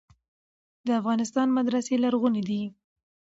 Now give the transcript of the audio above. د افغانستان مدرسې لرغونې دي.